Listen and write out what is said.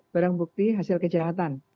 barang bukti hasil kejahatan